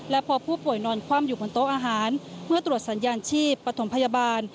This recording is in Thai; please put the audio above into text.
และพอผู้ป่วยนอนคว่ำอยู่บนโต๊ะอาหารเมื่อตรวจสัญญาณชีพปฐมพยาบาล